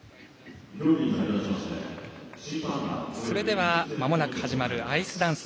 それではまもなく始まるアイスダンス。